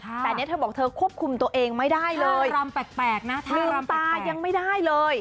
แต่นี่เธอบอกเธอควบคุมตัวเองไม่ได้เลยลืมตายังไม่ได้เลย